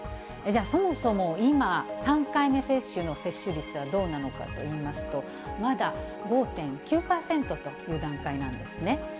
じゃあ、そもそも今、３回目接種の接種率はどうなのかといいますと、まだ５．９％という段階なんですね。